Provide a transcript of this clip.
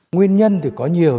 nguyên nhân thì có nhiều